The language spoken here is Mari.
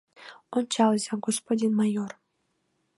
— Ончалза, господин майор!